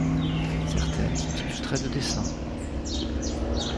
Certaines sont illustrées de dessins.